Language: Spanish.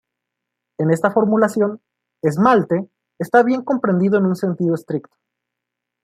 En esta formulación, "esmalte" está bien comprendido en un sentido estricto.